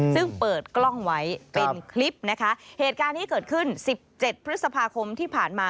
ซึ่งเปิดกล้องไว้เป็นคลิปนะคะเหตุการณ์ที่เกิดขึ้นสิบเจ็ดพฤษภาคมที่ผ่านมา